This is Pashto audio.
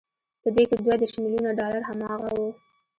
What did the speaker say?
په دې کې دوه دېرش ميليونه ډالر هماغه وو